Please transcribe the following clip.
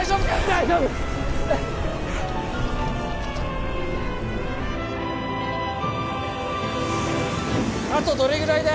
大丈夫あとどれぐらいだ？